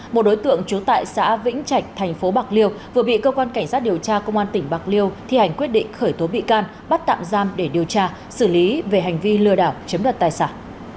một đối tượng trú tại xã vĩnh trạch thành phố bạc liêu vừa bị cơ quan cảnh sát điều tra công an tỉnh bạc liêu thi hành quyết định khởi tố bị can bắt tạm giam để điều tra xử lý về hành vi lừa đảo chiếm đoạt tài sản